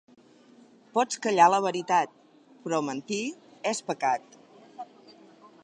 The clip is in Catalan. Pots callar la veritat, però mentir és pecat.